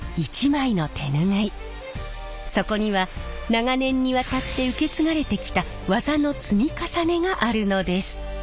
そこには長年にわたって受け継がれてきた技の積み重ねがあるのです。